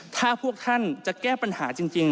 ถ้าพวกท่านจะแก้ปัญหาจริง